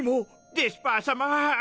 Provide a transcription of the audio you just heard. デスパー様！